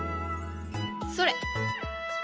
それ！